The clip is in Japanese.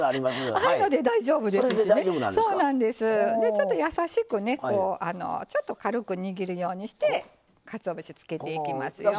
ちょっと優しくねちょっと軽く握るようにしてかつおぶしつけていきますよ。